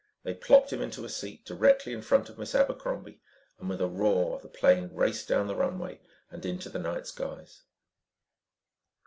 They plopped him into a seat directly in front of Miss Abercrombie and with a roar, the plane raced down the runway and into the night skies.